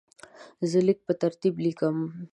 زه لیک په ترتیب لیکم.